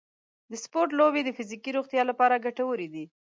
د سپورټ لوبې د فزیکي روغتیا لپاره ګټورې دي.